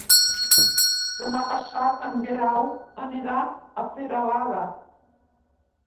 Demà passat en Guerau anirà a Peralada.